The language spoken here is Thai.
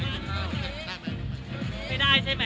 วันนี้รับงานคะ